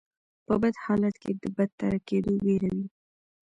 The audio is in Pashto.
په بد حالت کې د بدتر کیدو ویره وي.